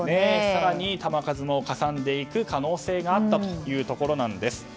更に球数もかさんでいく可能性があったということです。